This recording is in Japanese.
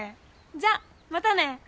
じゃあまたね。